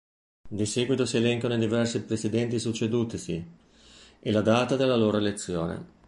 Di seguito si elencano i diversi presidenti succedutisi e la data della loro elezione.